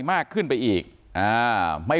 สวัสดีครับ